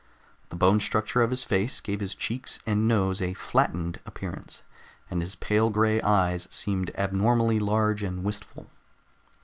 The bone structure of his face gave his cheeks and nose a flattened appearance, and his pale gray eyes seemed abnormally large and wistful.